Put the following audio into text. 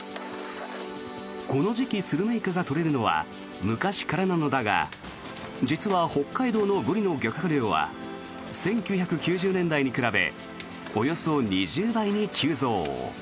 この時期スルメイカが取れるのは昔からなのだが実は北海道のブリの漁獲量は１９９０年代に比べおよそ２０倍に急増。